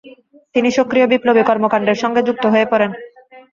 তিনি সক্রিয় বিপ্লবী কর্মকাণ্ডের সঙ্গে যুক্ত হয়ে পড়েন।